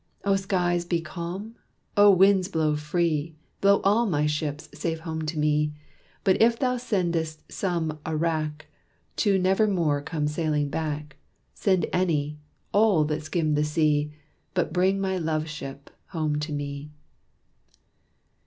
"O skies be calm? O winds blow free Blow all my ships safe home to me. But if thou sendest some a wrack To never more come sailing back, Send any all, that skim the sea, But bring my love ship home to me."